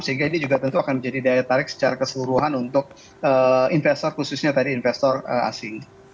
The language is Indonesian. sehingga ini juga tentu akan menjadi daya tarik secara keseluruhan untuk investor khususnya tadi investor asing